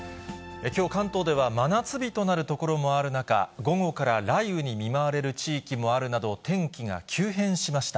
きょう、関東では真夏日となる所もある中、午後から雷雨に見舞われる地域もあるなど、天気が急変しました。